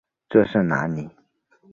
这是哪里？